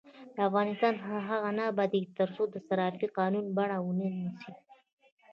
افغانستان تر هغو نه ابادیږي، ترڅو صرافي قانوني بڼه ونه نیسي.